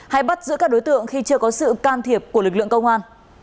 hay bắt giữ các đối tượng khi chưa có sự can thiệp của lực lượng công an